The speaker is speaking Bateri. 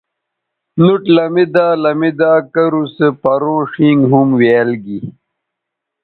نُوٹ لمیدا لمیدا کرو سو پروں ݜینگ ھُمویال گی